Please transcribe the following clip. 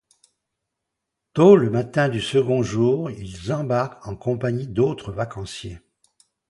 Tôt le matin du second jour, ils embarquent en compagnie d'autres vacanciers.